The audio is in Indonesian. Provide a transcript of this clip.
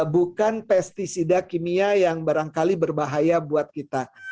bukan pesticida kimia yang barangkali berbahaya buat kita